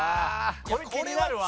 これ気になるわ。